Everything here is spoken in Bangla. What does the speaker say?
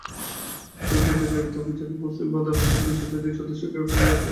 সহিংসতায় জড়িত অভিযোগে মুসলিম ব্রাদারহুডের তিন শতাধিক সদস্যকে গ্রেপ্তার করা হয়েছে।